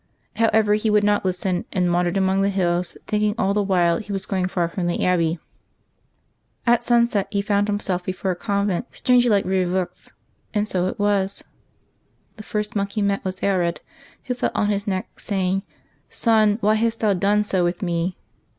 However, he would not lis ten, and wandered among the hills, thinking all the while he was going far from the abbey. At sunset he found himself before a convent strangely like Eieveaux, and so it was. The first monk he met was Aelred, who fell on his neck, saying, " Son, why hast thou done so with me